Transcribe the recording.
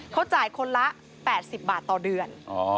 เขาจ่ายคนละ๘๐บาทต่อเดือน